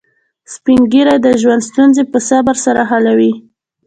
سپین ږیری د ژوند ستونزې په صبر سره حلوي